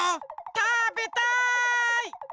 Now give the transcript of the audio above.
たべたい！